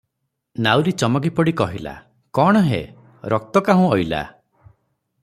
ନାଉରୀ ଚମକିପଡ଼ି କହିଲା, "କଣ ହେ! ରକ୍ତ କାହୁଁ ଅଇଲା?